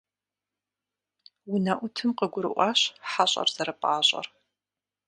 УнэӀутым къыгурыӀуащ хьэщӀэр зэрыпӀащӀэр.